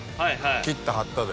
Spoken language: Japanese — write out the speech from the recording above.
切った貼ったで。